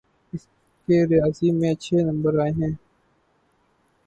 اس کے ریاضی میں اچھے نمبر آئے ہیں